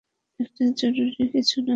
এটা জরুরি কিছু না।